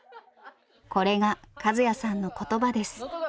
これが和也さんの言葉です。